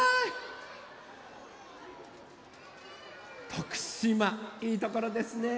徳島いいところですね。